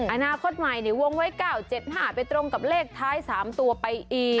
อนาคตใหม่วงไว้๙๗๕ไปตรงกับเลขท้าย๓ตัวไปอีก